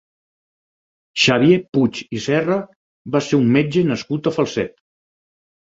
Xavier Puig i Serra va ser un metge nascut a Falset.